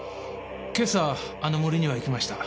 今朝あの森には行きました。